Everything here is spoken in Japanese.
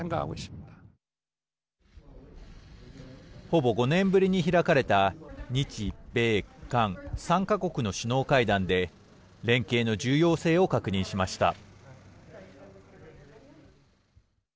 ほぼ５年ぶりに開かれた日米韓３か国の首脳会談で連携の重要性を確認しました。